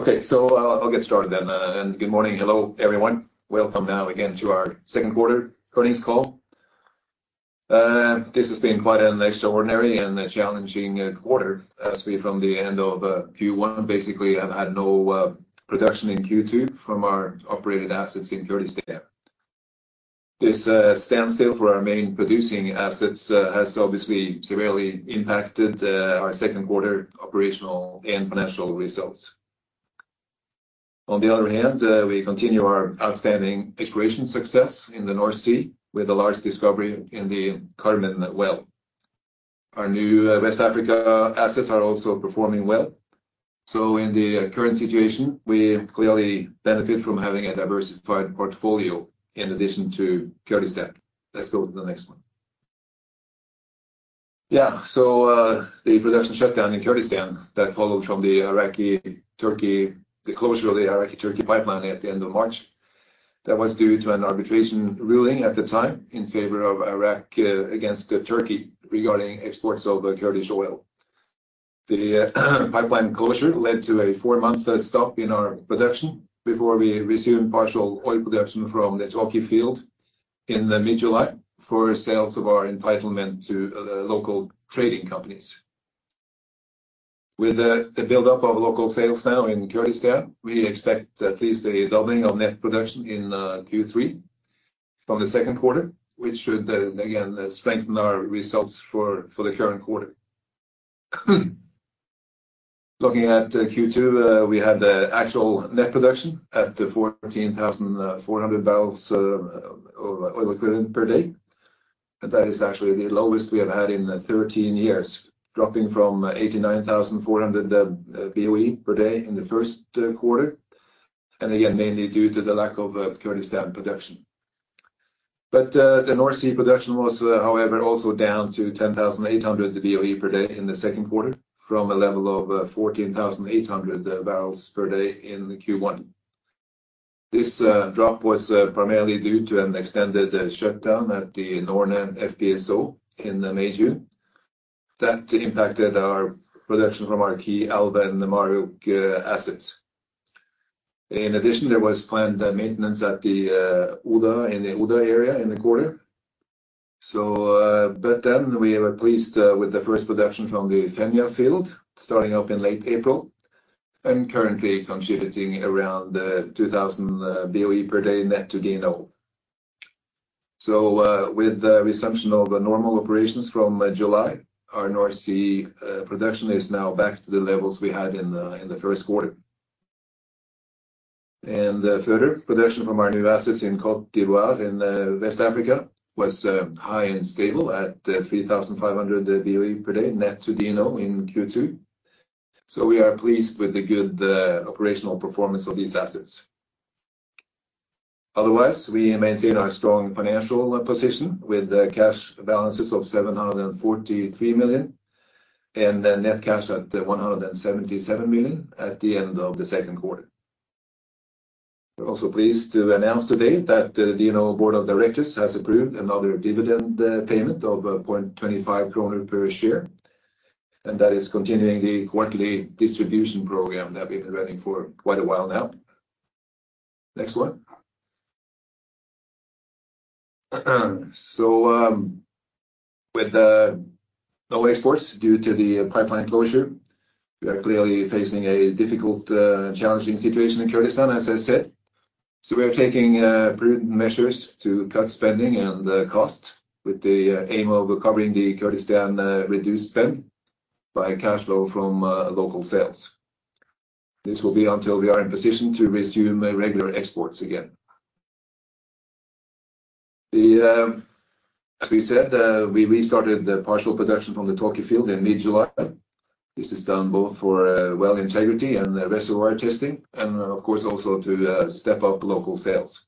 Okay, I'll get started then. Good morning. Hello, everyone. Welcome now again to our second quarter earnings call. This has been quite an extraordinary and a challenging quarter as we, from the end of Q1, basically have had no production in Q2 from our operated assets in Kurdistan. This standstill for our main producing assets has obviously severely impacted our second quarter operational and financial results. On the other hand, we continue our outstanding exploration success in the North Sea with a large discovery in the Carmen well. Our new West Africa assets are also performing well. In the current situation, we clearly benefit from having a diversified portfolio in addition to Kurdistan. Let's go to the next one. The production shutdown in Kurdistan that followed from the Iraq-Turkey, the closure of the Iraq-Turkey pipeline at the end of March, that was due to an arbitration ruling at the time in favor of Iraq against Turkey regarding exports of Kurdish oil. The pipeline closure led to a four-month stop in our production before we resumed partial oil production from the Tawke field in the mid-July for sales of our entitlement to local trading companies. With the buildup of local sales now in Kurdistan, we expect at least a doubling of net production in Q3 from the second quarter, which should again, strengthen our results for, for the current quarter. Looking at Q2, we had the actual net production at 14,400 barrels of oil equivalent per day. That is actually the lowest we have had in 13 years, dropping from 89,400 boe per day in the 1st quarter. Again, mainly due to the lack of Kurdistan production. The North Sea production was, however, also down to 10,800 boe per day in the 2nd quarter, from a level of 14,800 barrels per day in Q1. This drop was primarily due to an extended shutdown at the Norne FPSO in May-June. That impacted our production from our key Alvheim and Marulk assets. In addition, there was planned maintenance at Oda, in the Oda area in the quarter. We were pleased with the first production from the Fenja field, starting up in late April, and currently contributing around 2,000 boe per day net to DNO. With the resumption of the normal operations from July, our North Sea production is now back to the levels we had in the first quarter. Production from our new assets in Côte d'Ivoire in West Africa was high and stable at 3,500 boe per day net to DNO in Q2. We are pleased with the good operational performance of these assets. Otherwise, we maintain our strong financial position with the cash balances of $743 million, and the net cash at $177 million at the end of the second quarter. We're also pleased to announce today that the DNO board of directors has approved another dividend payment of 0.25 kroner per share, that is continuing the quarterly distribution program that we've been running for quite a while now. Next one. With no exports due to the pipeline closure, we are clearly facing a difficult, challenging situation in Kurdistan, as I said. We are taking prudent measures to cut spending and the cost with the aim of recovering the Kurdistan reduced spend by cash flow from local sales. This will be until we are in position to resume regular exports again. As we said, we restarted the partial production from the Tawke field in mid-July. This is done both for well integrity and reservoir testing, and of course, also to step up local sales.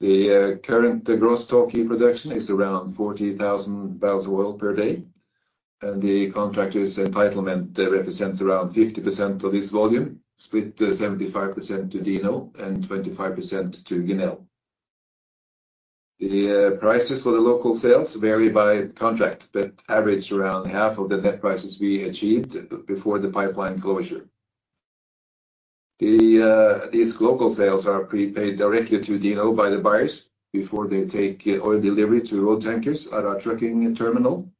Current gross Tawke production is around 40,000 barrels of oil per day, and the contractor's entitlement represents around 50% of this volume, split 75% to DNO and 25% to Genel. Prices for the local sales vary by contract, but average around half of the net prices we achieved before the pipeline closure. These local sales are prepaid directly to DNO by the buyers before they take oil delivery to road tankers at our trucking terminal,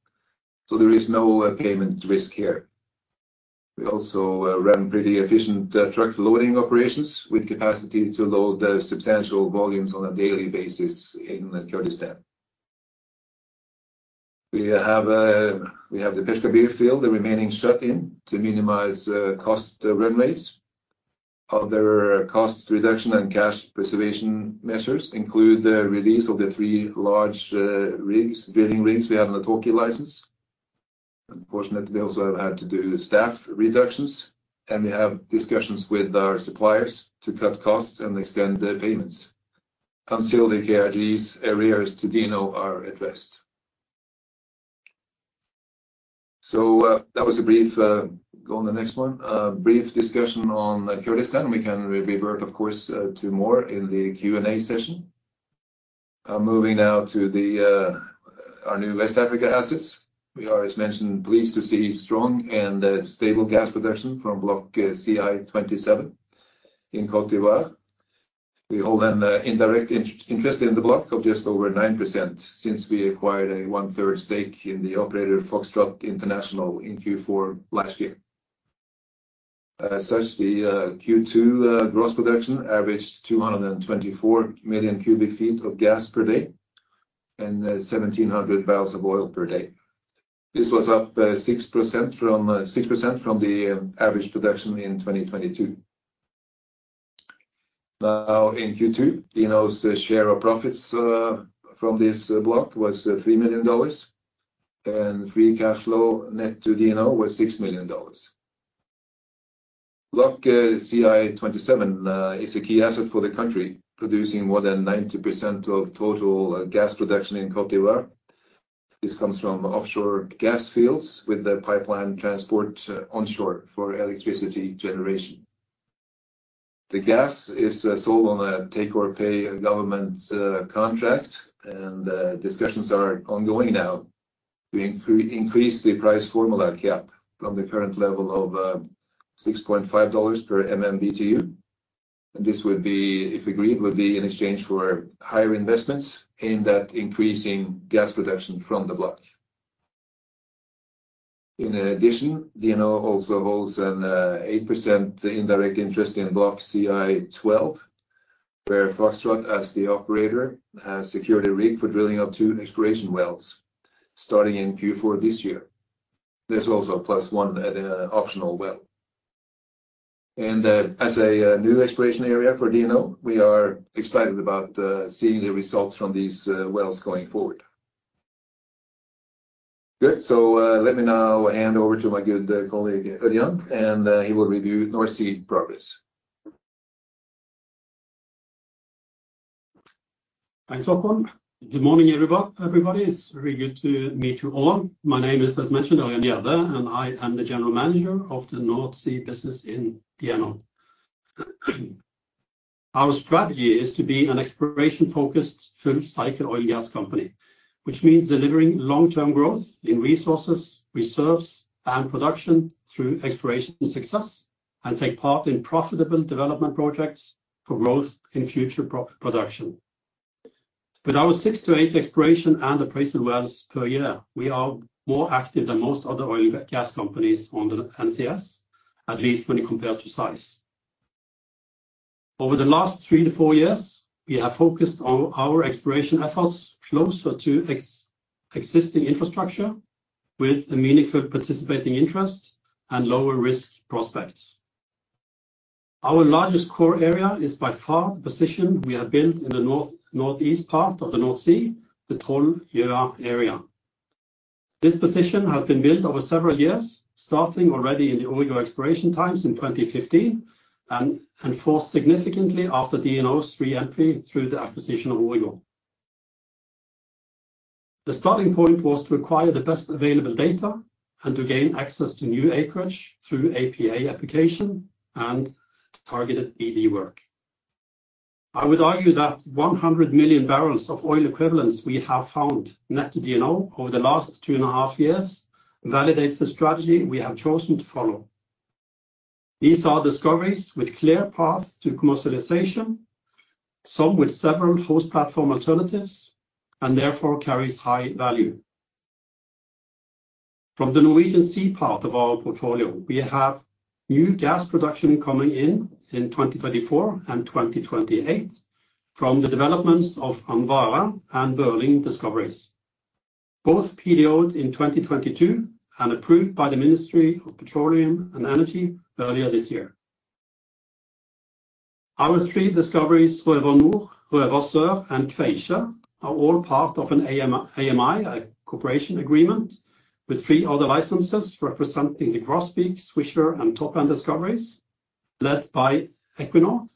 so there is no payment risk here. We also run pretty efficient truck loading operations with capacity to load substantial volumes on a daily basis in Kurdistan. We have, we have the Peshkabir field, the remaining shut-in to minimize cost run rates. Other cost reduction and cash preservation measures include the release of the three large rigs, drilling rigs we have on the Tawke license. Unfortunately, we also have had to do staff reductions, and we have discussions with our suppliers to cut costs and extend the payments until the KRG's arrears to DNO are addressed. That was a brief, go on the next one, brief discussion on Kurdistan. We can revert, of course, to more in the Q&A session. I'm moving now to the, our new West Africa assets. We are, as mentioned, pleased to see strong and stable gas production from Block CI-27 in Côte d'Ivoire. We hold an indirect interest in the block of just over 9% since we acquired a one-third stake in the operator, Foxtrot International, in Q4 last year. As such, the Q2 gross production averaged 224 million cubic feet of gas per day and 1,700 barrels of oil per day. This was up 6% from 6% from the average production in 2022. Now, in Q2, DNO's share of profits from this block was $3 million, and free cash flow net to DNO was $6 million. Block CI-27 is a key asset for the country, producing more than 90% of total gas production in Côte d'Ivoire. This comes from offshore gas fields with the pipeline transport onshore for electricity generation. The gas is sold on a take-or-pay government contract, and discussions are ongoing now to increase the price formula cap from the current level of $6.5 per MMBtu. This would be, if agreed, would be in exchange for higher investments aimed at increasing gas production from the block. In addition, DNO also holds an 8% indirect interest in Block CI-12, where Foxtrot, as the operator, has secured a rig for drilling of two exploration wells, starting in Q4 this year. There's also a +1 at optional well. As a new exploration area for DNO, we are excited about seeing the results from these wells going forward. Good. Let me now hand over to my good colleague, Ørjan, and he will review North Sea progress. Thanks, Haakon. Good morning, everybody. It's very good to meet you all. My name is, as mentioned, Ørjan Gjerde. I am the general manager of the North Sea business in DNO. Our strategy is to be an exploration-focused, full-cycle oil and gas company, which means delivering long-term growth in resources, reserves, and production through exploration success, and take part in profitable development projects for growth in future production. With our six to eight exploration and appraisal wells per year, we are more active than most other oil gas companies on the NCS, at least when you compare to size. Over the last three to four years, we have focused on our exploration efforts closer to existing infrastructure, with a meaningful participating interest and lower-risk prospects. Our largest core area is by far the position we have built in the north, northeast part of the North Sea, the Troll-Gjøa area. This position has been built over several years, starting already in the Origo Exploration times in 2015, enforced significantly after DNO's re-entry through the acquisition of Origo. The starting point was to acquire the best available data and to gain access to new acreage through APA application and targeted BD work. I would argue that 100 million barrels of oil equivalents we have found net to DNO over the last 2.5 years validates the strategy we have chosen to follow. These are discoveries with clear path to commercialization, some with several host platform alternatives, therefore carries high value. From the Norwegian Sea part of our portfolio, we have new gas production coming in in 2024 and 2028 from the developments of Andvare and Berling discoveries, both PDOed in 2022 and approved by the Ministry of Petroleum and Energy earlier this year. Our three discoveries, Røver Nord, Røver Sør, and Kvasir, are all part of an AMI, a cooperation agreement, with three other licenses representing the Grosbeak, Swisher, and Toppand discoveries, led by Equinor,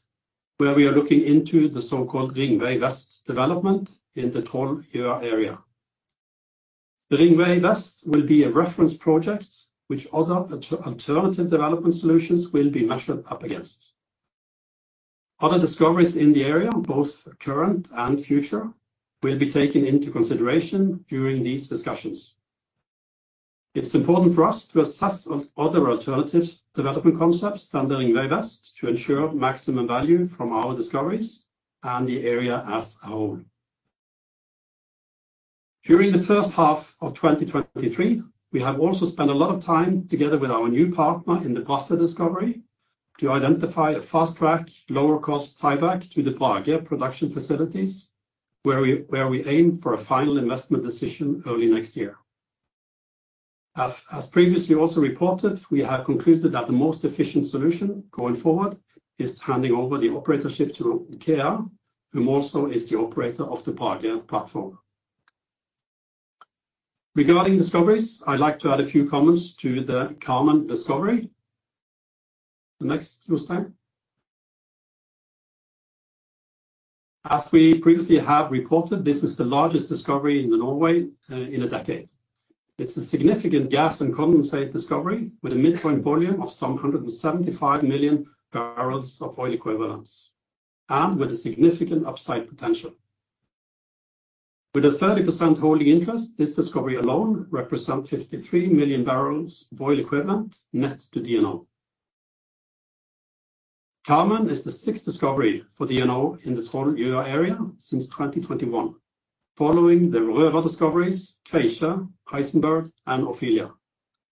where we are looking into the so-called Ringvei Vest development in the Troll-Gjøa area. The Ringvei Vest will be a reference project which other alternative development solutions will be measured up against. Other discoveries in the area, both current and future, will be taken into consideration during these discussions. It's important for us to assess other alternatives, development concepts than the Ringvei Vest to ensure maximum value from our discoveries and the area as a whole. During the first half of 2023, we have also spent a lot of time together with our new partner in the Brage discovery to identify a fast-track, lower-cost tieback to the Brage production facilities, where we aim for a final investment decision early next year. As previously also reported, we have concluded that the most efficient solution going forward is handing over the operatorship to OKEA, whom also is the operator of the Brage platform. Regarding discoveries, I'd like to add a few comments to the Carmen discovery. The next slide. As we previously have reported, this is the largest discovery in the Norway in a decade.... It's a significant gas and condensate discovery, with a midpoint volume of some 175 million barrels of oil equivalents, and with a significant upside potential. With a 30% holding interest, this discovery alone represent 53 million barrels of oil equivalent net to DNO. Carmen is the sixth discovery for DNO in the Troll-Gjøa area since 2021, following the Røver discoveries, Kveikje, Heisenberg, and Ofelia,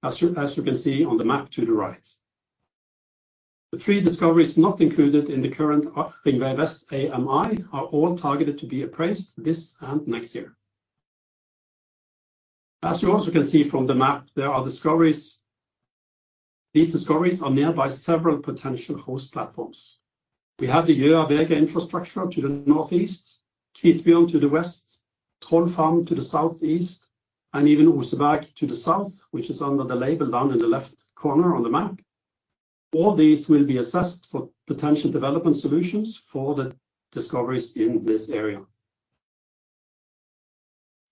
as you, as you can see on the map to the right. The three discoveries not included in the current Ringvei Vest AMI are all targeted to be appraised this and next year. As you also can see from the map, there are discoveries. These discoveries are nearby several potential host platforms. We have the Uer, Bergelmir infrastructure to the northeast, Tiedemann to the west, Troll to the southeast, and even Oseberg to the south, which is under the label down in the left corner on the map. All these will be assessed for potential development solutions for the discoveries in this area.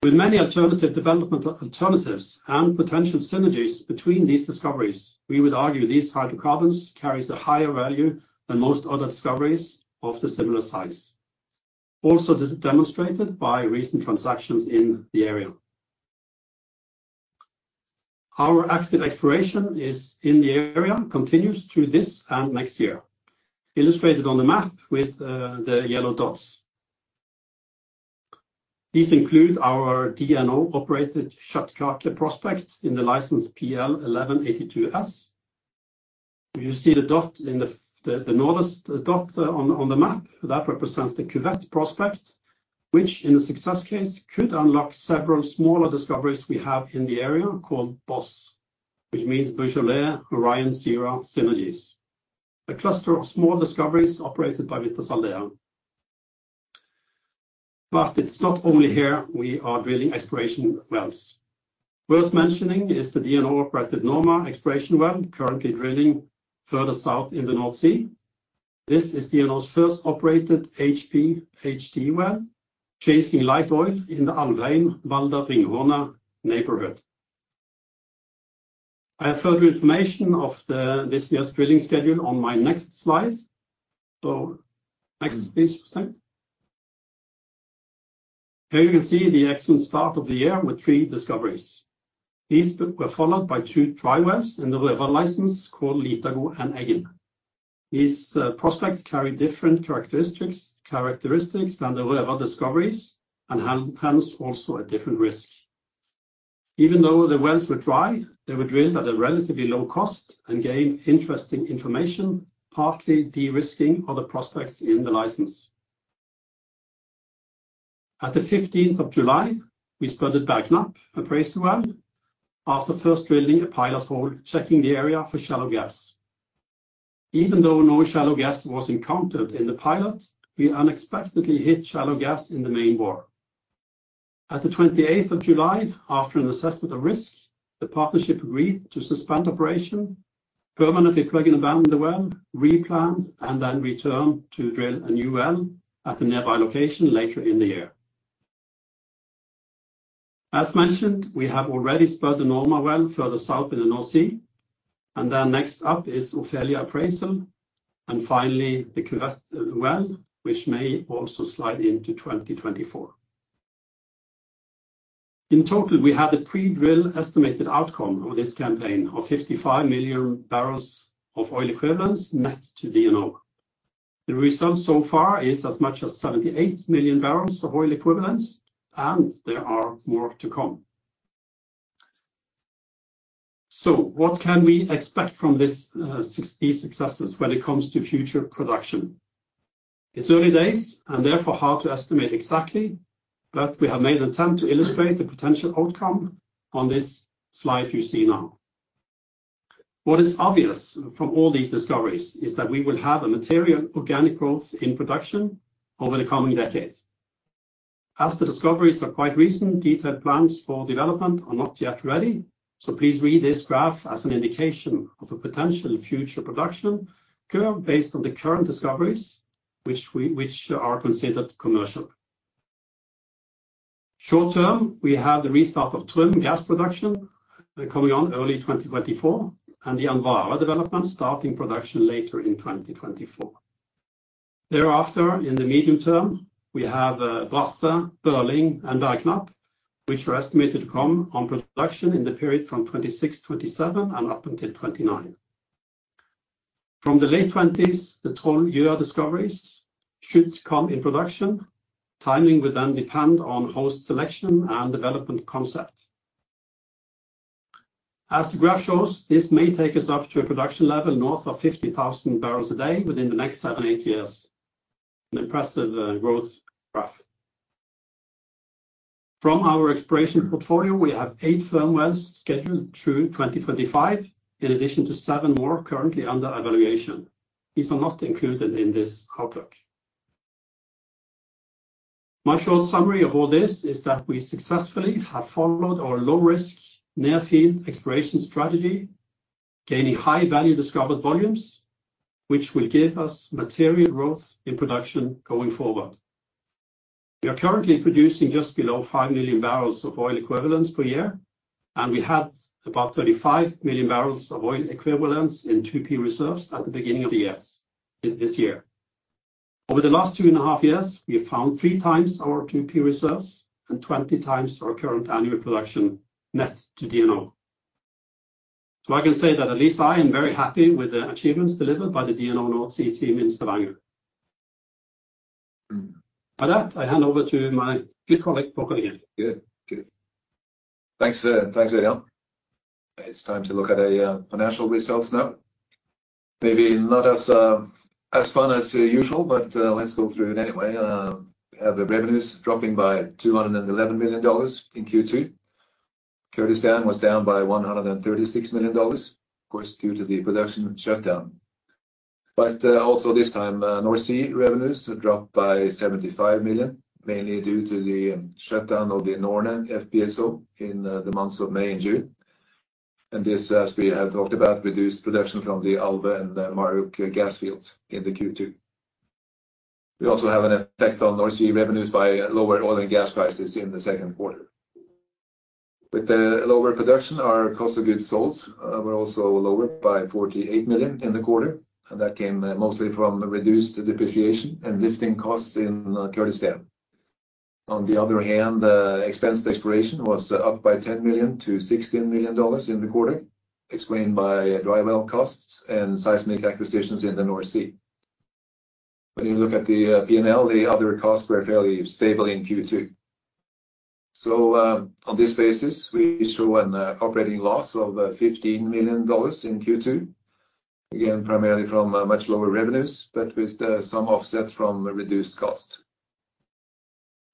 With many alternative development alternatives and potential synergies between these discoveries, we would argue these hydrocarbons carry a higher value than most other discoveries of the similar size. This is demonstrated by recent transactions in the area. Our active exploration is in the area, continues through this and next year, illustrated on the map with the yellow dots. These include our DNO-operated Kjøttkake prospect in the license PL1182S. You see the dot in the northernmost dot on the map, that represents the Cuvette prospect, which, in the success case, could unlock several smaller discoveries we have in the area, called BOSS, which means Beaujolais, Orion, Sierra, Synergies, a cluster of small discoveries operated by Wintershall Dea. It's not only here we are drilling exploration wells. Worth mentioning is the DNO-operated Norma exploration well, currently drilling further south in the North Sea. This is DNO's first op`erated HP/HD well, chasing light oil in the Alvheim, Valhall, Ringhorne neighborhood. I have further information of the, this year's drilling schedule on my next slide. Next, please, Christine. Here you can see the excellent start of the year with three discoveries. These were followed by two dry wells in the Røver license called Litago and Eggin. These prospects carry different characteristics than the Røver discoveries and hence, also a different risk. Even though the wells were dry, they were drilled at a relatively low cost and gained interesting information, partly de-risking other prospects in the license. On July 15, we spudded Bergknapp appraisal well after first drilling a pilot hole, checking the area for shallow gas. Even though no shallow gas was encountered in the pilot, we unexpectedly hit shallow gas in the main bore. On July 28, after an assessment of risk, the partnership agreed to suspend operation, permanently plug and abandon the well, replan, and then return to drill a new well at the nearby location later in the year. As mentioned, we have already spud the Norma well further south in the North Sea. Then next up is Ofelia appraisal. Finally, the Cuvette well, which may also slide into 2024. In total, we had a pre-drill estimated outcome of this campaign of 55 million barrels of oil equivalents net to DNO. The result so far is as much as 78 million barrels of oil equivalents. There are more to come. What can we expect from this, these successes when it comes to future production? It's early days and therefore hard to estimate exactly. We have made an attempt to illustrate the potential outcome on this slide you see now. What is obvious from all these discoveries is that we will have a material organic growth in production over the coming decade. As the discoveries are quite recent, detailed plans for development are not yet ready. Please read this graph as an indication of a potential future production curve based on the current discoveries, which are considered commercial. Short term, we have the restart of Trym gas production coming on early 2024, and the Alvheim development starting production later in 2024. Thereafter, in the medium term, we have Brage, Berling, and Bergknapp, which are estimated to come on production in the period from 2026-2027 and up until 2029. From the late 2020s, the Troll Ur discoveries should come in production. Timing will depend on host selection and development concept. As the graph shows, this may take us up to a production level north of 50,000 barrels a day within the next 7, 8 years. An impressive growth graph. From our exploration portfolio, we have 8 firm wells scheduled through 2025, in addition to 7 more currently under evaluation. These are not included in this outlook. My short summary of all this is that we successfully have followed our low-risk, near field exploration strategy, gaining high-value discovered volumes, which will give us material growth in production going forward. We are currently producing just below 5 million barrels of oil equivalents per year, and we had about 35 million barrels of oil equivalents in 2P reserves at the beginning of the year, this year. Over the last two and a half years, we have found 3x our 2P reserves and 20x our current annual production net to DNO. I can say that at least I am very happy with the achievements delivered by the DNO North Sea team in Stavanger. With that, I hand over to my good colleague, Haakon. Good. Good. Thanks, thanks, Ørjan. It's time to look at a financial results now. Maybe not as fun as usual, but let's go through it anyway. The revenues dropping by $211 million in Q2. Kurdistan was down by $136 million, of course, due to the production shutdown. Also this time, North Sea revenues dropped by $75 million, mainly due to the shutdown of the Norne FPSO in the months of May and June. This, as we have talked about, reduced production from the Alve and the Marulk gas fields in the Q2. We also have an effect on North Sea revenues by lower oil and gas prices in the second quarter. With the lower production, our cost of goods sold were also lower by $48 million in the quarter. That came mostly from the reduced depreciation and lifting costs in Kurdistan. On the other hand, expense exploration was up by $10 million-$16 million in the quarter, explained by dry well costs and seismic acquisitions in the North Sea. When you look at the P&L, the other costs were fairly stable in Q2. On this basis, we show an operating loss of $15 million in Q2, again, primarily from much lower revenues, but with some offset from a reduced cost.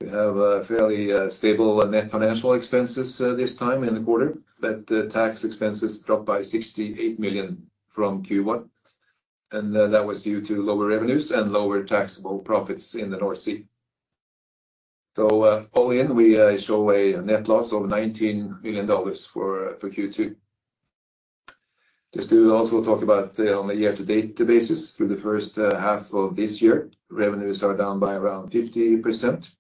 We have a fairly stable net financial expenses this time in the quarter, but the tax expenses dropped by $68 million from Q1. That was due to lower revenues and lower taxable profits in the North Sea. All in, we show a net loss of $19 million for Q2. Just to also talk about the on the year-to-date basis through the first half of this year, revenues are down by around 50%.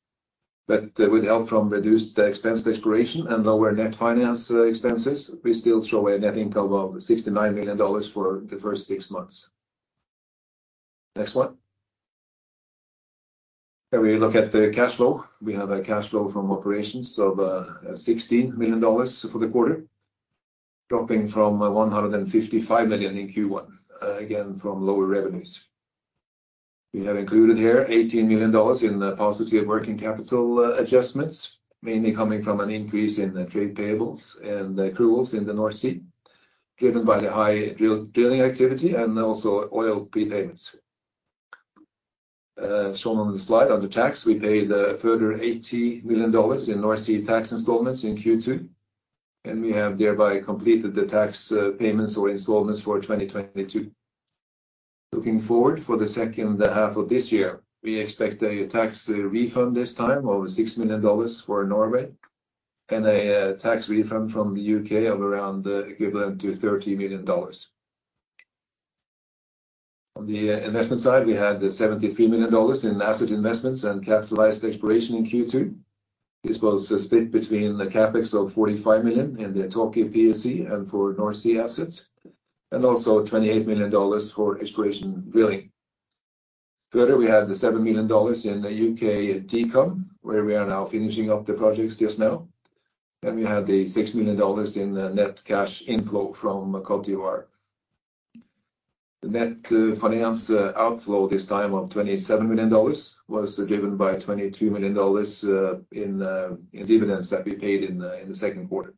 With help from reduced expense exploration and lower net finance expenses, we still show a net income of $69 million for the first six months. Next one. Here we look at the cash flow. We have a cash flow from operations of $16 million for the quarter, dropping from $155 million in Q1, again, from lower revenues. We have included here $18 million in the positive working capital adjustments, mainly coming from an increase in trade payables and accruals in the North Sea, driven by the high drilling activity and also oil prepayments. Shown on the slide under tax, we paid a further $80 million in North Sea tax installments in Q2. We have thereby completed the tax payments or installments for 2022. Looking forward for the second half of this year, we expect a tax refund this time of $6 million for Norway and a tax refund from the UK of around the equivalent to $30 million. On the investment side, we had $73 million in asset investments and capitalized exploration in Q2. This was split between the CapEx of $45 million in the Tawke PSC and for North Sea assets, $28 million for exploration drilling. We had the $7 million in the U.K. DECOM, where we are now finishing up the projects just now. We had the $6 million in the net cash inflow from Côte d'Ivoire. The net finance outflow this time of $27 million was driven by $22 million in dividends that we paid in the second quarter.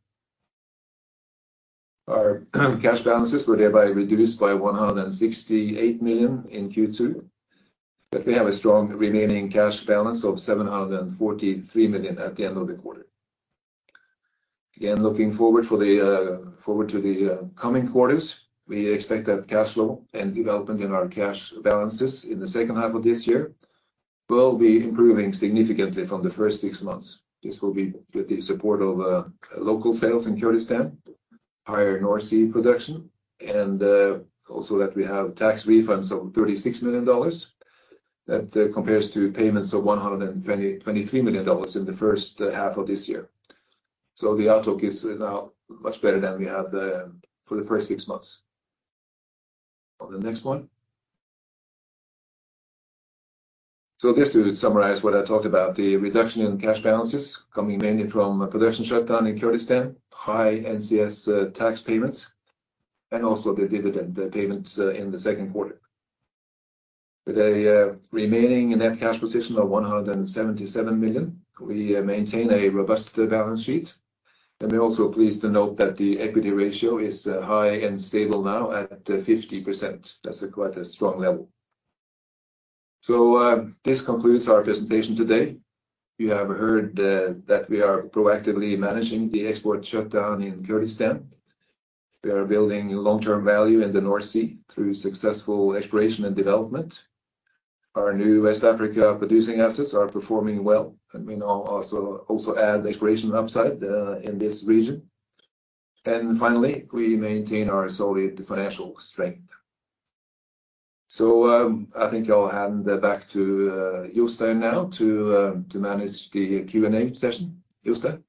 Our cash balances were thereby reduced by $168 million in Q2, we have a strong remaining cash balance of $743 million at the end of the quarter. Again, looking forward to the coming quarters, we expect that cash flow and development in our cash balances in the second half of this year will be improving significantly from the first six months. This will be with the support of local sales in Kurdistan, higher North Sea production, and also that we have tax refunds of $36 million. That compares to payments of $123 million in the first half of this year. The outlook is now much better than we had, for the first six months. On the next one. Just to summarize what I talked about, the reduction in cash balances coming mainly from a production shutdown in Kurdistan, high NCS, tax payments, and also the dividend, the payments in the second quarter. With a remaining net cash position of $177 million, we maintain a robust balance sheet. Let me also please to note that the equity ratio is high and stable now at 50%. That's quite a strong level. This concludes our presentation today. You have heard that we are proactively managing the export shutdown in Kurdistan. We are building long-term value in the North Sea through successful exploration and development. Our new West Africa producing assets are performing well, we now also add exploration upside in this region. Finally, we maintain our solid financial strength. I think I'll hand it back to Jostein now to manage the Q&A session. Jostein?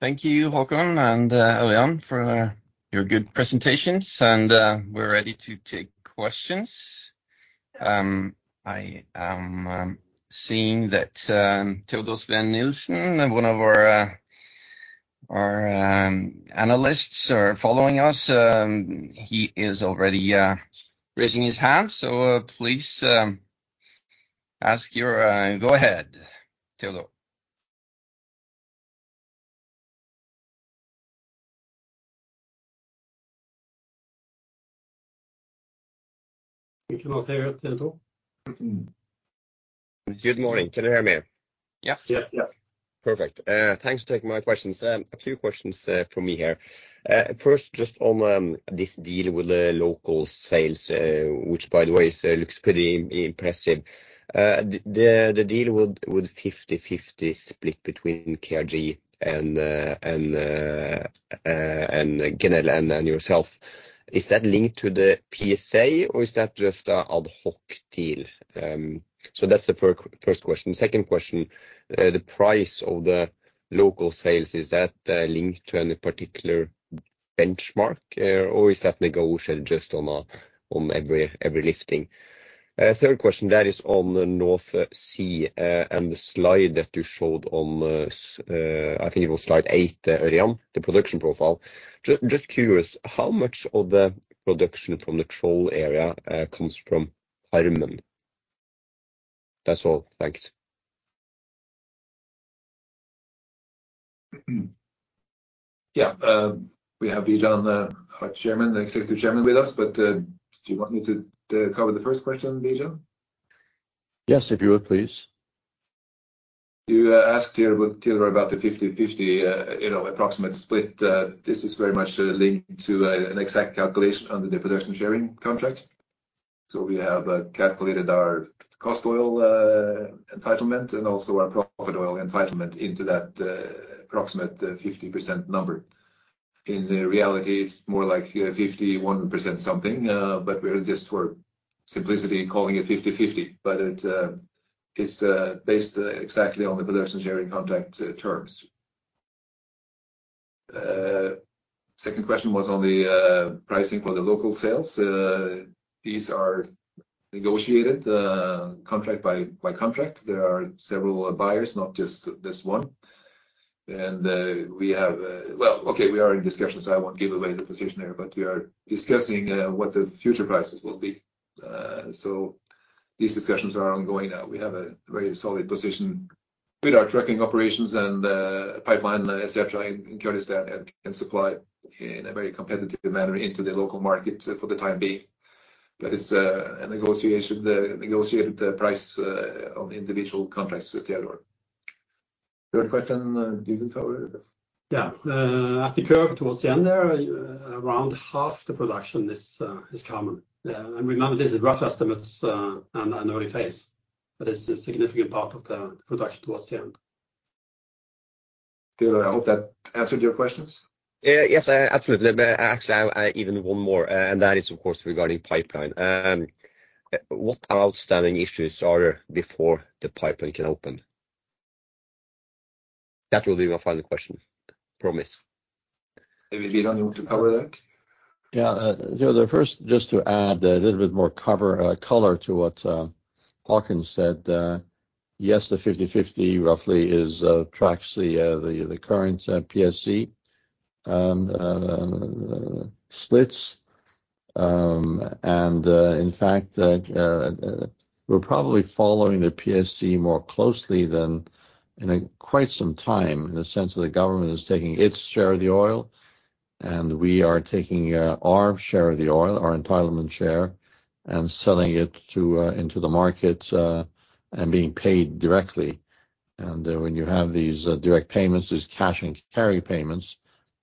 Thank you, Haakon and Ørjan, for your good presentations, and we're ready to take questions. I am seeing that Teodor Sveen-Nilsen, one of our, our, analysts are following us. He is already raising his hand, so please, ask your, go ahead, Teodor. We cannot hear you, Theodore. Good morning. Can you hear me? Yeah. Yes, yes. Perfect. Thanks for taking my questions. A few questions from me here. First, just on this deal with the local sales, which, by the way, looks pretty impressive. The deal with 50/50 split between KRG and Genel and yourself, is that linked to the PSA, or is that just an ad hoc deal? That's the first question. Second question, the price of the local sales, is that linked to any particular benchmark, or is that negotiated just on every, every lifting? Third question, that is on the North Sea, and the slide that you showed on, I think it was slide 8, Orion, the production profile. Just curious, how much of the production from the Troll area comes from Carmen? That's all. Thanks. Yeah. We have Bijan, our Chairman, Executive Chairman with us, but do you want me to, to cover the first question, Bijan? Yes, if you would, please. You asked here about the 50/50, you know, approximate split. This is very much linked to an exact calculation under the production sharing contract. We have calculated our cost oil entitlement and also our profit oil entitlement into that approximate 50% number. In reality, it's more like 51% something, but we're just for simplicity, calling it 50/50. It is based exactly on the production sharing contract terms. Second question was on the pricing for the local sales. These are negotiated contract by contract. There are several buyers, not just this one. We are in discussions, so I won't give away the position there, but we are discussing what the future prices will be. These discussions are ongoing now. We have a very solid position with our trucking operations and pipeline, et cetera, in Kurdistan, and can supply in a very competitive manner into the local market for the time being. It's a negotiation, the negotiated price on individual contracts with the owner. Third question, do you want to cover? Yeah. At the curve, towards the end there, around half the production is common. Remember, this is rough estimates, and an early phase, but it's a significant part of the production towards the end. Theodore, I hope that answered your questions. Yes, absolutely. Actually, I, I, even one more, and that is, of course, regarding pipeline. What outstanding issues are there before the pipeline can open? That will be my final question. Promise. Maybe, Bijan, you want to cover that? Yeah. You know, the first, just to add a little bit more cover, color to what Haakon said, yes, the 50/50 roughly is tracks the the the current PSC splits. In fact, we're probably following the PSC more closely than in a quite some time, in the sense that the government is taking its share of the oil, and we are taking our share of the oil, our entitlement share, and selling it to into the market and being paid directly. When you have these direct payments, these cash and carry payments,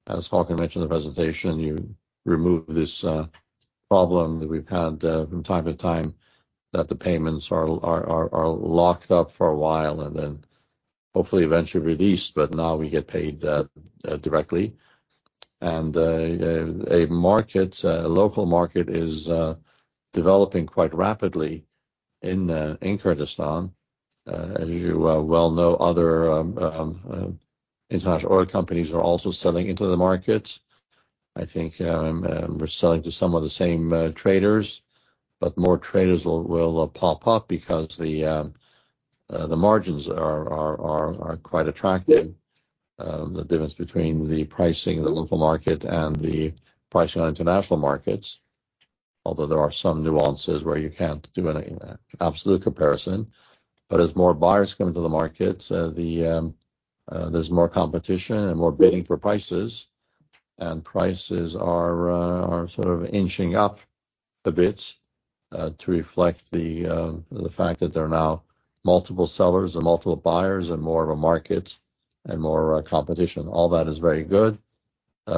as Haakon mentioned in the presentation, you remove this problem that we've had from time to time, that the payments are locked up for a while, and then hopefully eventually released, but now we get paid directly. A local market is developing quite rapidly in Kurdistan. As you well know, other international oil companies are also selling into the market. I think we're selling to some of the same traders, but more traders will pop up because the margins are quite attractive. The difference between the pricing in the local market and the pricing on international markets, although there are some nuances where you can't do an absolute comparison. As more buyers come into the market, there's more competition and more bidding for prices, and prices are sort of inching up a bit to reflect the fact that there are now multiple sellers and multiple buyers and more of a market and more competition. All that is very good. You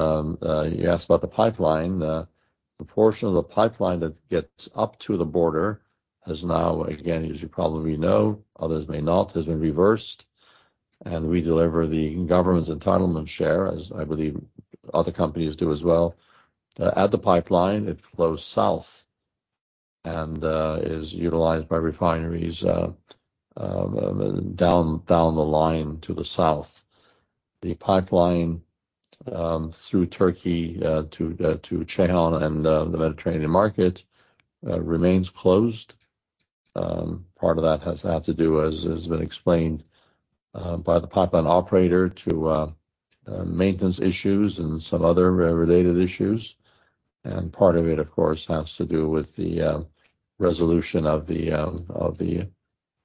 asked about the pipeline. The portion of the pipeline that gets up to the border has now, again, as you probably know, others may not, has been reversed. And we deliver the government's entitlement share, as I believe other companies do as well. At the pipeline, it flows south and is utilized by refineries down, down the line to the south. The pipeline through Turkey to Ceyhan and the Mediterranean market remains closed. Part of that has had to do, as been explained, by the pipeline operator to maintenance issues and some other related issues. Part of it, of course, has to do with the resolution of the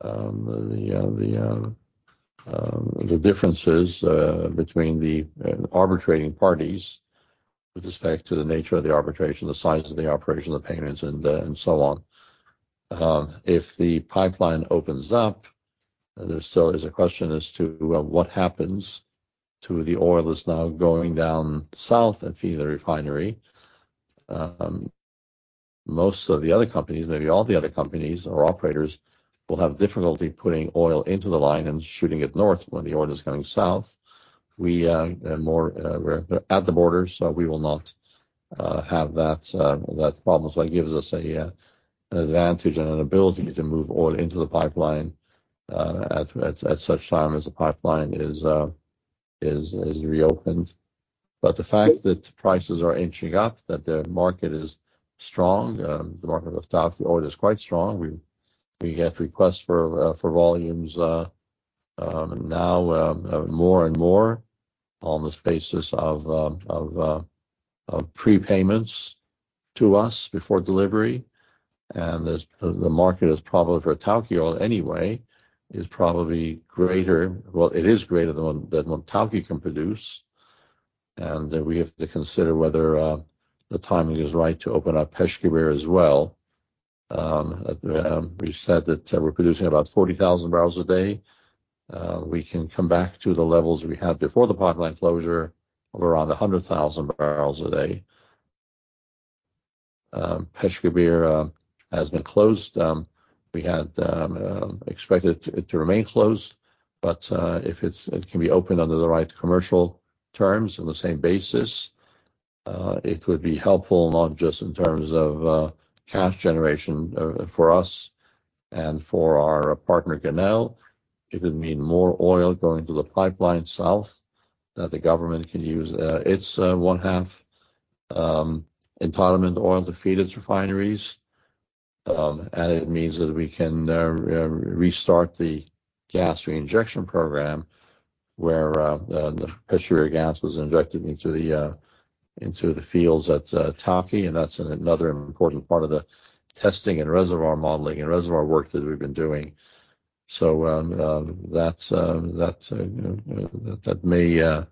of the the the the differences between the arbitrating parties with respect to the nature of the arbitration, the size of the arbitration, the payments, and so on. If the pipeline opens up, there still is a question as to what happens to the oil that's now going down south and feeding the refinery. Most of the other companies, maybe all the other companies or operators, will have difficulty putting oil into the line and shooting it north when the oil is going south. We, and more, we're at the border, so we will not have that problem. It gives us an advantage and an ability to move oil into the pipeline at such time as the pipeline is reopened. The fact that prices are inching up, that the market is strong, the market of Tawke oil is quite strong. We get requests for volumes now, more and more on the basis of prepayments to us before delivery. The market is probably for Tawke oil anyway, is probably greater... Well, it is greater than, than what Tawke can produce. We have to consider whether the timing is right to open up Peshkabir as well. We said that we're producing about 40,000 barrels a day. We can come back to the levels we had before the pipeline closure of around 100,000 barrels a day. Peshkabir has been closed. We had expected it to remain closed, but if it's- it can be opened under the right commercial terms on the same basis, it would be helpful, not just in terms of cash generation, for us and for our partner, Genel. It would mean more oil going to the pipeline south, that the government can use its one half entitlement oil to feed its refineries. It means that we can restart the gas reinjection program, where the Peshkabir gas was injected into the into the fields at Tawke, and that's another important part of the testing and reservoir modeling and reservoir work that we've been doing. That's that, you know, that may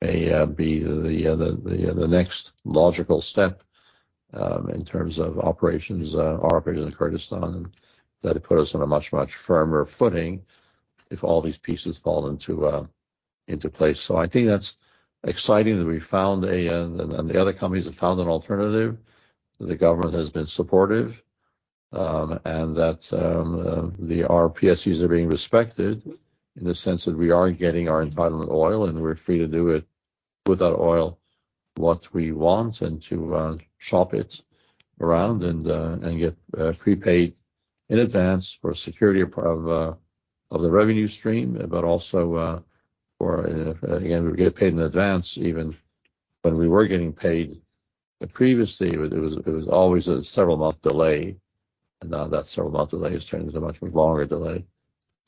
may be the the the next logical step in terms of operations, our operations in Kurdistan, that it put us on a much, much firmer footing if all these pieces fall into into place. I think that's exciting that we found a, and the other companies have found an alternative. The government has been supportive, and that the... our PSCs are being respected in the sense that we are getting our entitlement oil, and we're free to do it with our oil, what we want, and to shop it around and and get prepaid in advance for security of the revenue stream, but also for again, we get paid in advance. Even when we were getting paid previously, it was, it was always a several-month delay, and now that several-month delay has turned into a much, much longer delay.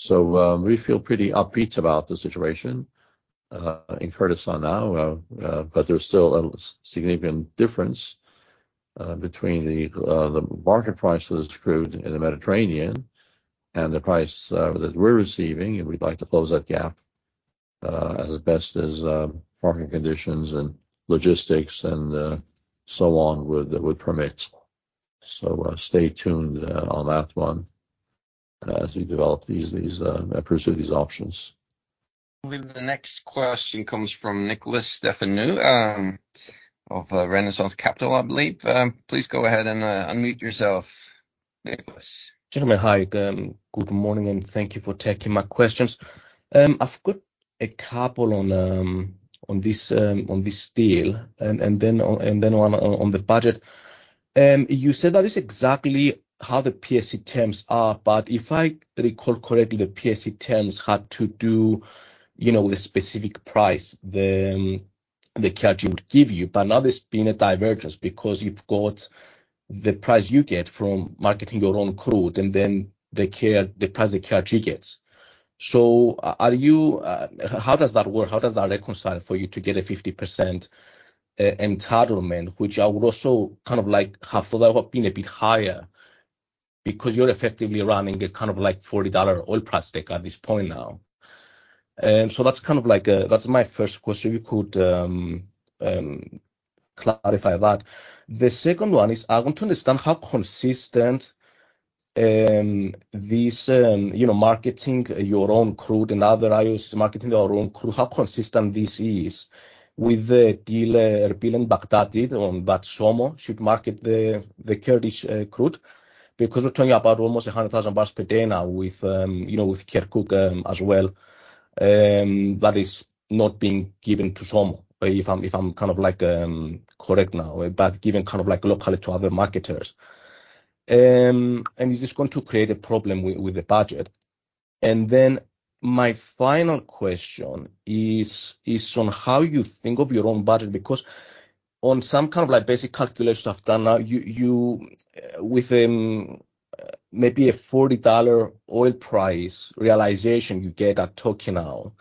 We feel pretty upbeat about the situation in Kurdistan now, but there's still a significant difference between the market prices of crude in the Mediterranean and the price that we're receiving, and we'd like to close that gap as best as market conditions and logistics and so on would, would permit. Stay tuned on that one as we develop these, these, and pursue these options. The next question comes from Nikolas Stefanou, of Renaissance Capital, I believe. Please go ahead and unmute yourself, Nikolas. Jeremy, hi. Good morning, and thank you for taking my questions. I've got a couple on this deal, and then one on the budget. You said that is exactly how the PSC terms are. If I recall correctly, the PSC terms had to do, you know, with specific price, then the KRG would give you. Now there's been a divergence because you've got the price you get from marketing your own crude, and then the price the KRG gets. Are you? How does that work? How does that reconcile for you to get a 50% entitlement, which I would also kind of like have thought of being a bit higher because you're effectively running a kind of like $40 oil price stick at this point now. That's kind of like, that's my first question, if you could clarify that. The second one is, I want to understand how consistent this, you know, marketing your own crude and other IOCs marketing their own crude, how consistent this is with the deal Erbil and Baghdad did on that SOMO should market the Kurdish crude? We're talking about almost 100,000 barrels per day now with, you know, with Kirkuk as well, that is not being given to SOMO, if I'm, if I'm kind of like correct now, but given kind of like locally to other marketers. Is this going to create a problem with, with the budget? Then my final question is on how you think of your own budget, because on some kind of like basic calculations I've done now, you, you, with maybe a $40 oil price realization you get at Tawke now,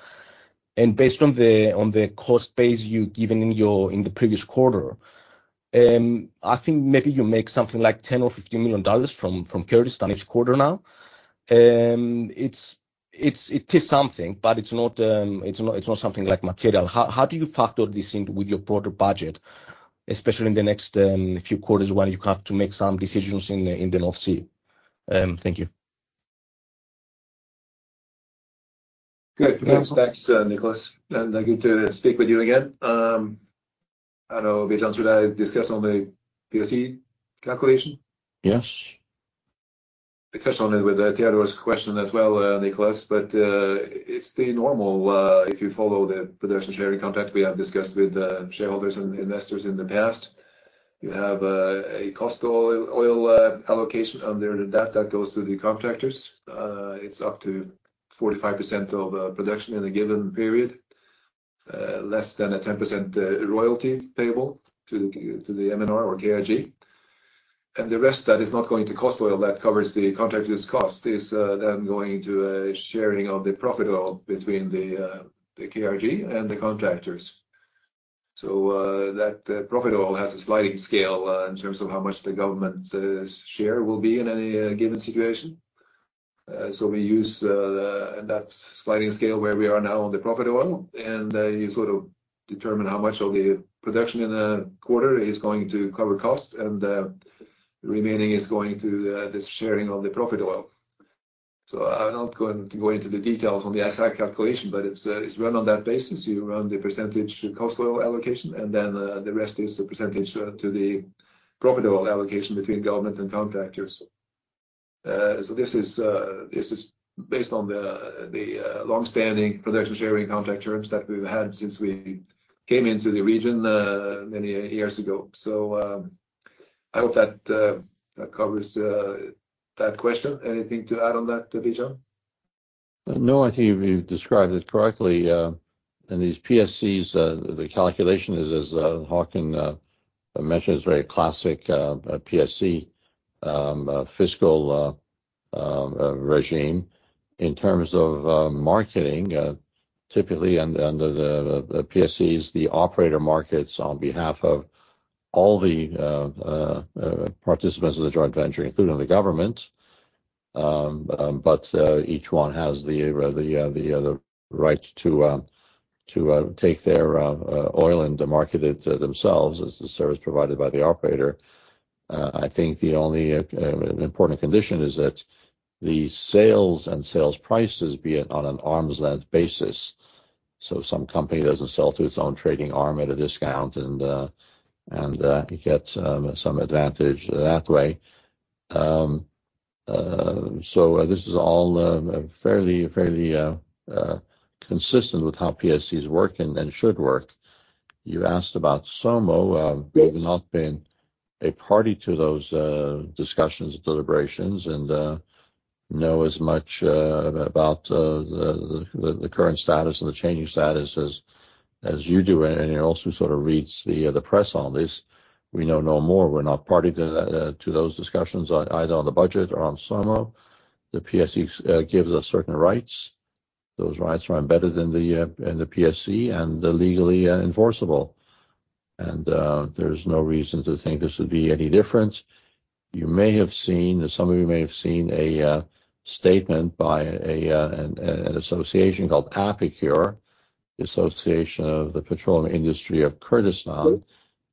and based on the, on the cost base you've given in the previous quarter, I think maybe you make something like $10 million-$15 million from Kurdistan each quarter now. It's, it's, it is something, but it's not, it's not something like material. How do you factor this in with your broader budget, especially in the next few quarters, when you have to make some decisions in the, in the off season? Thank you. Good. Thanks, Nikolas, and lovely to speak with you again. I don't know, Bijan, should I discuss on the PSC calculation? Yes. Discuss on it with Theodore's question as well, Nikolas, it's the normal, if you follow the production sharing contract we have discussed with shareholders and investors in the past. You have a cost oil, oil, allocation under that, that goes to the contractors. It's up to 45% of production in a given period, less than a 10% royalty payable to the, to the MNR or KIG. The rest that is not going to cost oil, that covers the contractor's cost, is then going to a sharing of the profit oil between the, the KIG and the contractors. That profit oil has a sliding scale in terms of how much the government share will be in any given situation. We use and that sliding scale where we are now on the profit oil, and you sort of determine how much of the production in a quarter is going to cover cost, and the remaining is going to the sharing of the profit oil. I'm not going to go into the details on the exact calculation, but it's run on that basis. You run the percentage cost oil allocation, and then the rest is the percentage to the profit oil allocation between government and contractors. This is based on the, the, longstanding production sharing contract terms that we've had since we came into the region many years ago. I hope that that covers that question. Anything to add on that, Bijan? No, I think you've described it correctly. These PSCs, the calculation is as Hakan mentioned, it's very classic PSC fiscal regime. In terms of marketing, typically, under the PSCs, the operator markets on behalf of all the participants of the joint venture, including the government. Each one has the right to take their oil and to market it themselves as a service provided by the operator. I think the only important condition is that the sales and sales prices be on an arm's length basis, so some company doesn't sell to its own trading arm at a discount, and it gets some advantage that way. This is all fairly, fairly consistent with how PSCs work and should work. You asked about SOMO, we've not been a party to those discussions and deliberations and know as much about the, the, the current status and the changing status as you do, and you're also sort of reads the press on this. We know no more. We're not party to those discussions, either on the budget or on SOMO. The PSC gives us certain rights. Those rights are embedded in the PSC and are legally enforceable, and there's no reason to think this would be any different. You may have seen, some of you may have seen a statement by an association called APIKUR, The Association of the Petroleum Industry of Kurdistan,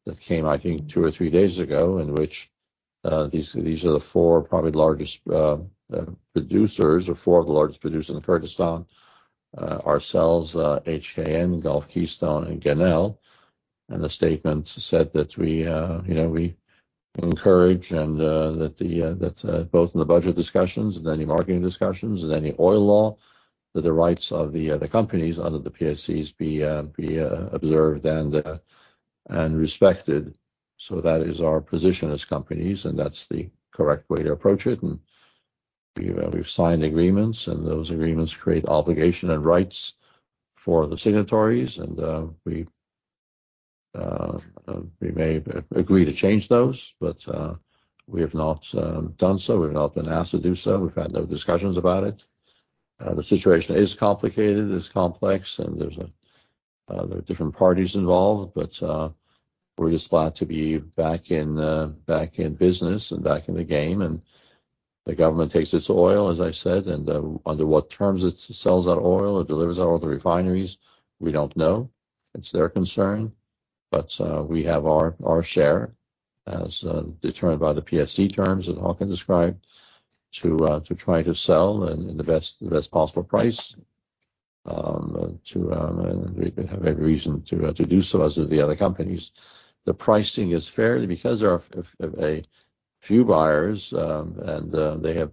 that came, I think, two or three days ago, in which these are the four probably largest producers or four of the largest producers in Kurdistan, ourselves, HKN, Gulf Keystone, and Genel. The statement said that we, you know, we encourage and that the that both in the budget discussions and any marketing discussions and any oil law, that the rights of the companies under the PSCs be observed and respected. That is our position as companies, and that's the correct way to approach it, and, you know, we've signed agreements, and those agreements create obligation and rights for the signatories, and we may agree to change those, but we have not done so. We've not been asked to do so. We've had no discussions about it. The situation is complicated, it's complex, and there's there are different parties involved, but we're just glad to be back in back in business and back in the game, and the government takes its oil, as I said, and under what terms it sells that oil or delivers that oil to refineries, we don't know. It's their concern. We have our, our share as determined by the PSC terms that Håkon described, to try to sell and in the best, the best possible price, to. We have every reason to do so, as do the other companies. The pricing is fairly because there are a few buyers, and they have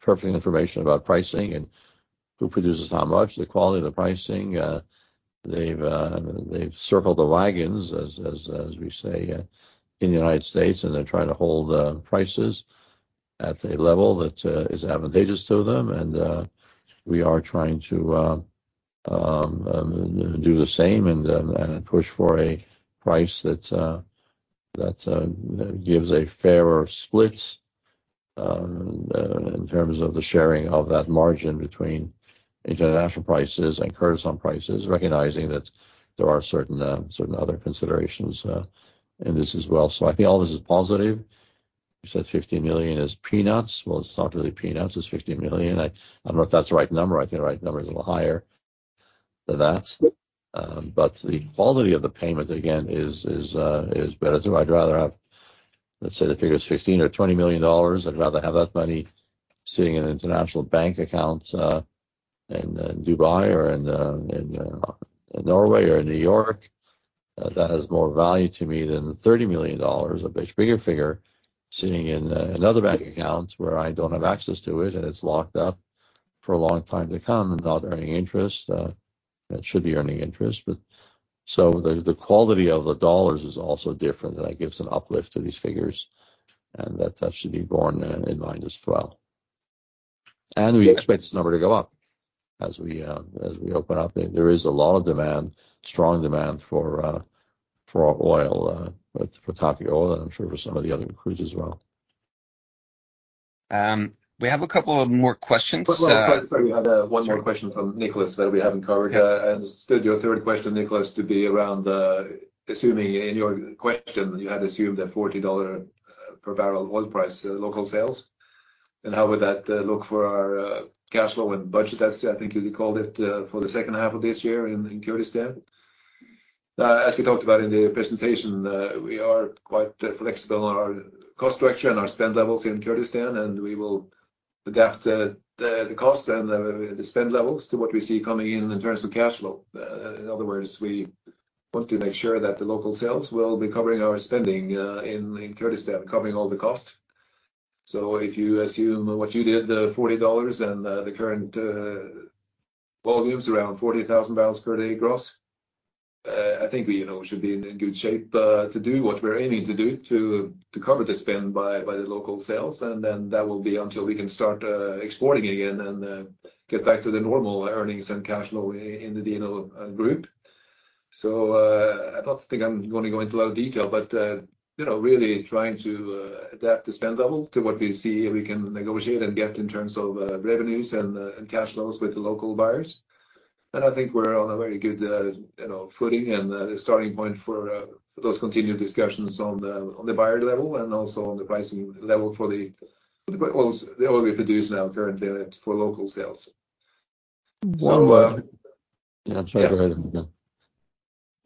perfect information about pricing and who produces how much, the quality of the pricing. They've circled the wagons, as, as, as we say, in the United States, and they're trying to hold prices at a level that is advantageous to them. We are trying to do the same and push for a price that that gives a fairer split in terms of the sharing of that margin between international prices and Kurdistan prices, recognizing that there are certain certain other considerations in this as well. I think all this is positive. You said $50 million is peanuts. It's not really peanuts, it's $50 million. I, I don't know if that's the right number. I think the right number is a little higher than that. The quality of the payment, again, is better. I'd rather have, let's say the figure is $15 million or $20 million, I'd rather have that money sitting in international bank accounts in Dubai, or in Norway, or in New York. That has more value to me than the $30 million, a much bigger figure, sitting in other bank accounts where I don't have access to it, and it's locked up for a long time to come, and not earning interest, that should be earning interest. The quality of the dollars is also different, and that gives an uplift to these figures, and that, that should be borne in mind as well. We expect this number to go up as we open up. There is a lot of demand, strong demand for oil, for Tawke oil, and I'm sure for some of the other crews as well. We have a couple of more questions. One more question from Nikolas that we haven't covered. I understood your third question, Nikolas, to be around assuming in your question, you had assumed a $40 per barrel oil price, local sales. How would that look for our cash flow and budget, as I think you called it, for the second half of this year in Kurdistan? As we talked about in the presentation, we are quite flexible on our cost structure and our spend levels in Kurdistan, and we will adapt the cost and the spend levels to what we see coming in, in terms of cash flow. In other words, we want to make sure that the local sales will be covering our spending in Kurdistan, covering all the cost. If you assume what you did, the $40 and the current volumes around 40,000 barrels per day gross, I think we, you know, should be in good shape to do what we're aiming to do to, to cover the spend by, by the local sales. Then that will be until we can start exporting again and get back to the normal earnings and cash flow in the DNO group. I don't think I'm going to go into a lot of detail, but, you know, really trying to adapt the spend level to what we see we can negotiate and get in terms of revenues and cash flows with the local buyers. I think we're on a very good, you know, footing and starting point for for those continued discussions on the on the buyer level and also on the pricing level for the for the oils, the oil we produce now currently for local sales. One more- So- Yeah, sorry, go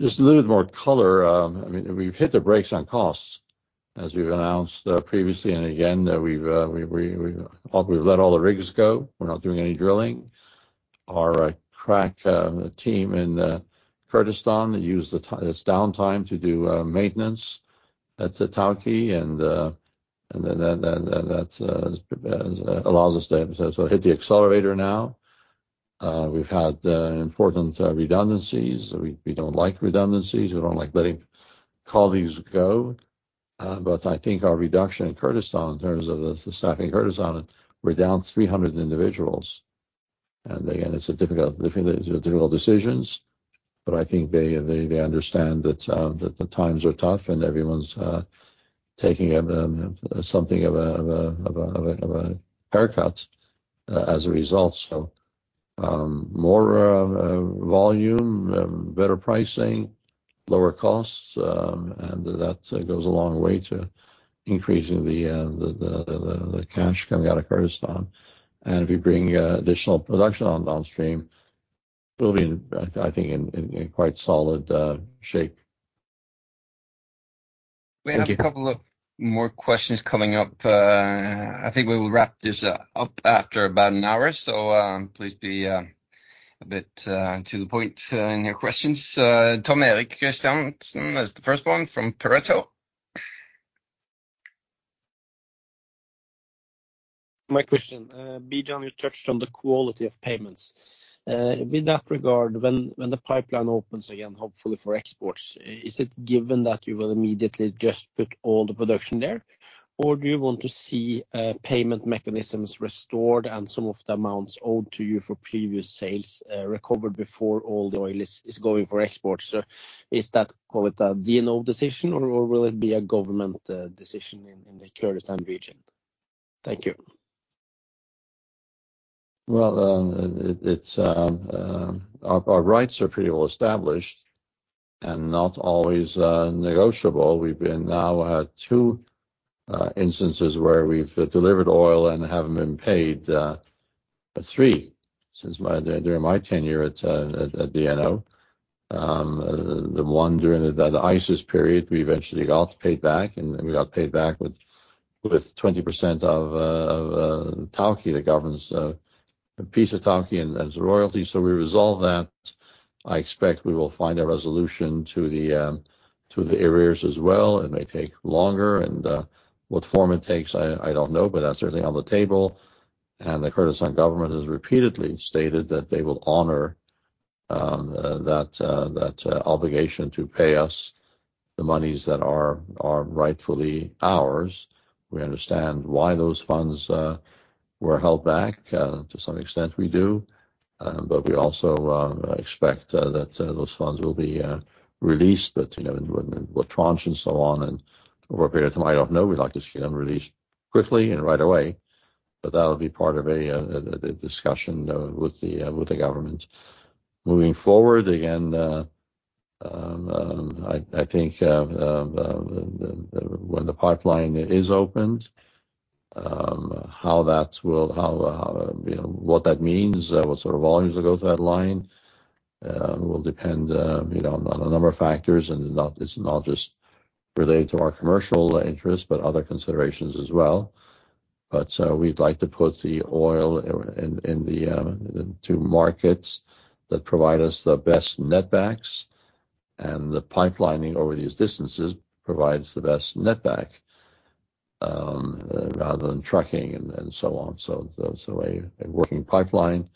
ahead. Just a little bit more color. I mean, we've hit the brakes on costs, as we've announced previously, again, that we've let all the rigs go. We're not doing any drilling. Our crack team in Kurdistan use this downtime to do maintenance at Tawke, then that allows us to hit the accelerator now. We've had important redundancies. We don't like redundancies, we don't like letting colleagues go. I think our reduction in Kurdistan, in terms of the staffing in Kurdistan, we're down 300 individuals. Again, it's a difficult, difficult decisions, but I think they, they, they understand that the times are tough and everyone's taking something of a, of a, of a, of a, of a haircut as a result. More volume, better pricing, lower costs, and that goes a long way to increasing the, the, the, the, the cash coming out of Kurdistan. We bring additional production on downstream, we'll be in, I, I think, in, in, in quite solid shape. We have a couple of more questions coming up. I think we will wrap this up after about an hour. Please be a bit to the point in your questions. Tom Erik Kristiansen is the first one from Pareto. My question, Bijan, you touched on the quality of payments. With that regard, when, when the pipeline opens again, hopefully for exports, is it given that you will immediately just put all the production there? Or do you want to see payment mechanisms restored and some of the amounts owed to you for previous sales recovered before all the oil is, is going for export? So is that, call it, a DNO decision, or, or will it be a government decision in, in the Kurdistan region? Thank you. Well, it, it, it's. Our rights are pretty well established and not always negotiable. We've been now at two instances where we've delivered oil and haven't been paid. Three since my, dur-during my tenure at DNO. The one during the ISIS period, we eventually got paid back, and, and we got paid back with 20% of Tawke, the government's a piece of Tawke and its royalty. We resolved that. I expect we will find a resolution to the arrears as well. It may take longer, and what form it takes, I, I don't know, but that's certainly on the table. The Kurdistan government has repeatedly stated that they will honor that, that obligation to pay us the monies that are, are rightfully ours. We understand why those funds were held back to some extent, we do. We also expect that those funds will be released, but, you know, in, in tranches and so on, and over a period of time. I don't know, we'd like to see them released quickly and right away. That'll be part of a, a, a discussion with the government. Moving forward, again, I, I think, the, the, when the pipeline is opened, how that will... how, you know, what that means, what sort of volumes will go through that line, will depend, you know, on a number of factors, and not, it's not just relating to our commercial interest, but other considerations as well. We'd like to put the oil into markets that provide us the best netbacks, and the pipelining over these distances provides the best netback, rather than trucking and so on. A working pipeline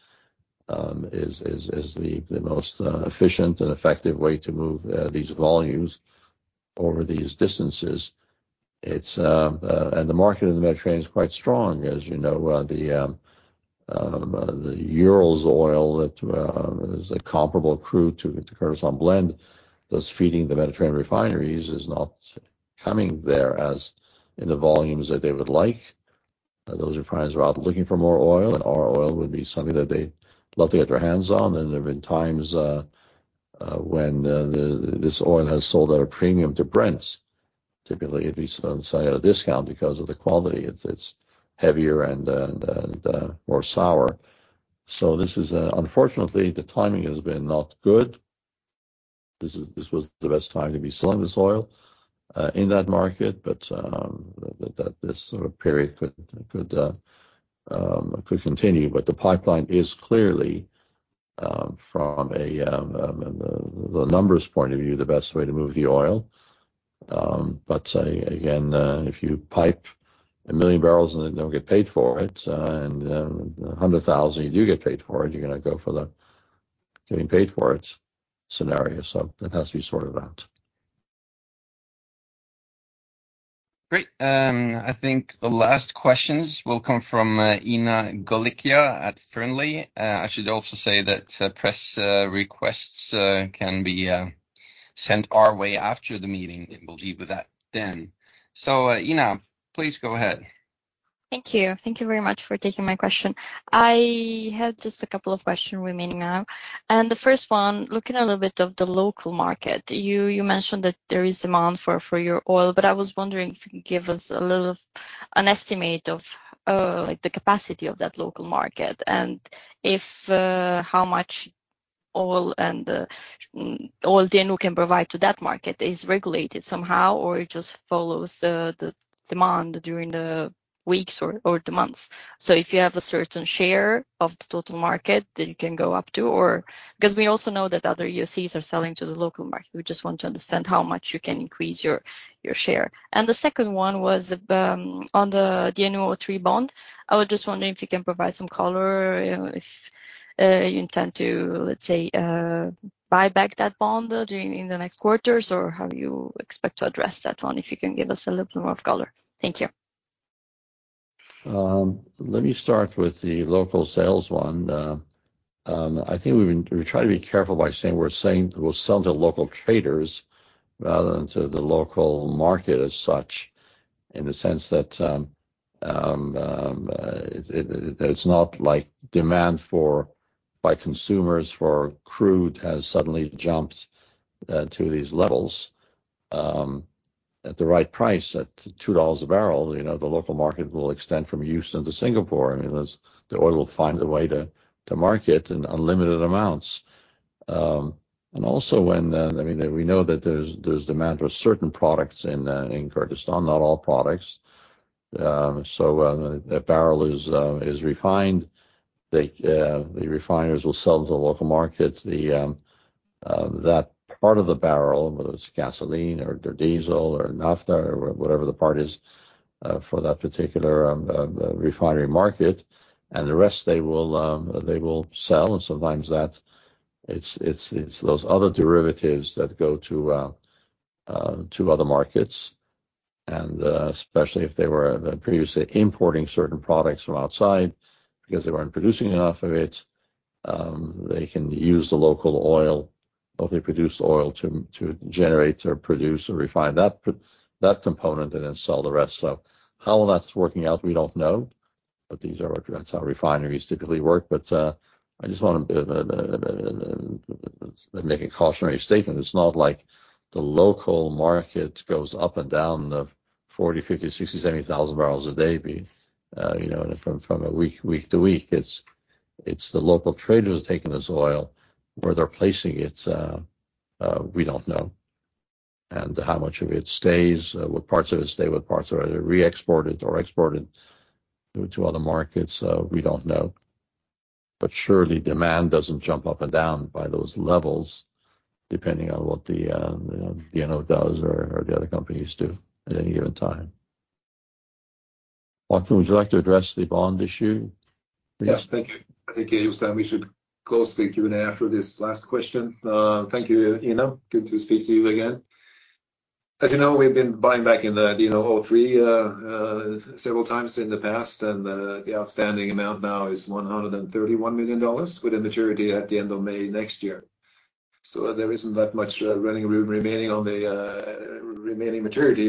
is the most efficient and effective way to move these volumes over these distances. The market in the Mediterranean is quite strong. As you know, the Urals oil that is a comparable crude to Kurdistan Blend, thus feeding the Mediterranean refineries is not coming there as in the volumes that they would like. Those refineries are out looking for more oil. Our oil would be something that they'd love to get their hands on. There have been times, when this oil has sold at a premium to Brent. Typically, it would sell at a discount because of the quality. It's, it's heavier and, and, and more sour. Unfortunately, the timing has been not good. This is, this was the best time to be selling this oil, in that market. That, that this sort of period could, could, could continue. The pipeline is clearly, from a, the numbers point of view, the best way to move the oil. Again, if you pipe 1 million barrels and then don't get paid for it, and then 100,000, you do get paid for it, you're gonna go for the getting paid for it scenario. That has to be sorted out. Great. I think the last questions will come from Ina Golikja at Fearnley Securities. I should also say that press requests can be sent our way after the meeting, and we'll deal with that then. Inna, please go ahead. Thank you. Thank you very much for taking my question. I had just a couple of question remaining now. The first one, looking a little bit of the local market, you, you mentioned that there is demand for, for your oil, but I was wondering if you could give us a little, an estimate of, like, the capacity of that local market, and if, how much oil and, oil DNO can provide to that market is regulated somehow, or it just follows the, the demand during the weeks or, or the months. If you have a certain share of the total market that you can go up to, or... We also know that other IOCs are selling to the local market. We just want to understand how much you can increase your, your share. The second one was on the DNO03 bond. I was just wondering if you can provide some color, if you intend to, let's say, buy back that bond during, in the next quarters, or how do you expect to address that one? If you can give us a little more of color. Thank you. Let me start with the local sales one. I think we, we try to be careful by saying, we're saying we'll sell to local traders rather than to the local market as such, in the sense that it's not like demand for, by consumers for crude has suddenly jumped to these levels at the right price. At $2 a barrel, you know, the local market will extend from Houston to Singapore. I mean, as the oil will find a way to, to market in unlimited amounts. Also when I mean, we know that there's, there's demand for certain products in Kurdistan, not all products. A barrel is refined. The refiners will sell to the local market, the that part of the barrel, whether it's gasoline, or diesel, or naphtha, or whatever the part is, for that particular refinery market, and the rest they will they will sell, and sometimes that, it's, it's, it's those other derivatives that go to other markets. Especially if they were previously importing certain products from outside because they weren't producing enough of it, they can use the local oil, locally produced oil, to, to generate or produce or refine that component and then sell the rest. How that's working out, we don't know, but these are... That's how refineries typically work. I just wanna... Let's make a cautionary statement. It's not like the local market goes up and down of 40,000, 50,000, 60,000, 70,000 barrels a day be, you know, from, from a week, week to week. It's, it's the local traders taking this oil. Where they're placing it, we don't know. How much of it stays, what parts of it stay, what parts are re-exported or exported to other markets, we don't know. Surely, demand doesn't jump up and down by those levels, depending on what the, you know, DNO does or, or the other companies do at any given time. Haakon, would you like to address the bond issue? Yes, thank you. I think, Bijan, we should close the Q&A after this last question. Thank you, Ina. Good to speak to you again. As you know, we've been buying back in the DNO03 several times in the past, and the outstanding amount now is $131 million, with a maturity at the end of May next year. There isn't that much running room remaining on the remaining maturity.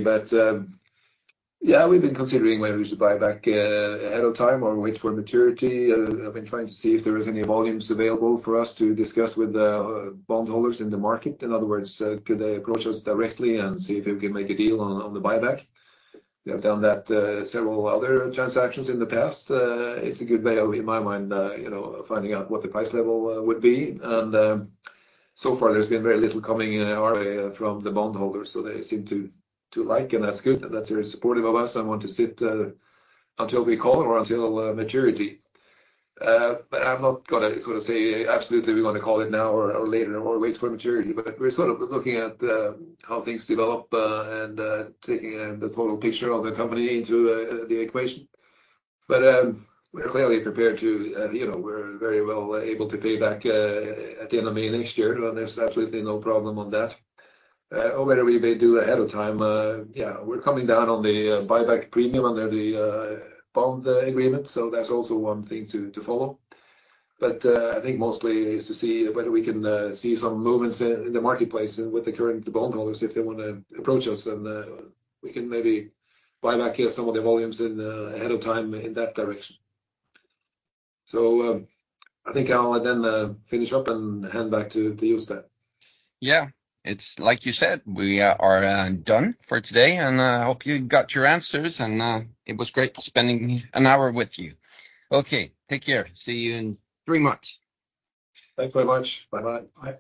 Yeah, we've been considering whether we should buy back ahead of time or wait for maturity. I've been trying to see if there is any volumes available for us to discuss with the bondholders in the market. In other words, could they approach us directly and see if we can make a deal on, on the buyback? We have done that, several other transactions in the past. It's a good way, in my mind, you know, finding out what the price level would be. So far, there's been very little coming our way from the bondholders, so they seem to, to like, and that's good that they're supportive of us and want to sit until we call or until maturity. I'm not gonna sort of say, absolutely, we're gonna call it now or later, or wait for maturity, but we're sort of looking at how things develop and taking the total picture of the company into the equation. We're clearly prepared to, you know, we're very well able to pay back at the end of May next year, and there's absolutely no problem on that. Or whether we may do ahead of time, we're coming down on the buyback premium under the bond agreement. That's also one thing to follow. I think mostly is to see whether we can see some movements in the marketplace with the current bondholders, if they wanna approach us, then we can maybe buy back some of the volumes ahead of time in that direction. I think I'll then finish up and hand back to Joost. Yeah. It's like you said, we are done for today. I hope you got your answers. It was great spending an hour with you. Okay. Take care. See you in three months. Thanks very much. Bye-bye. Bye.